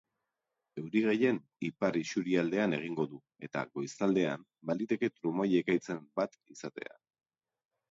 Euri gehien ipar isurialdean egingo du eta goizaldean baliteke trumoi-ekaitzen bat izatea.